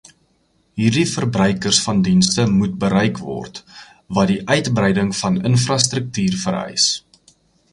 Hierdie verbruikers van dienste moet bereik word, wat die uitbreiding van infrastruktuur vereis.